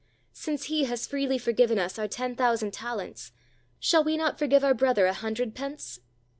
Since He has freely forgiven us our ten thousand talents, shall we not forgive our brother a hundred pence?